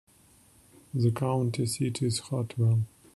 The county seat is Hartwell.